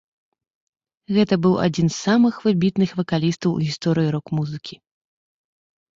Гэта быў адзін з самых выбітных вакалістаў у гісторыі рок-музыкі.